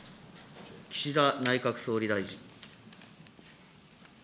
岸田内閣総理大臣。